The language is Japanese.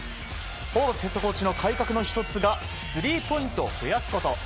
ホーバスヘッドコーチの改革の１つがスリーポイントを増やすこと。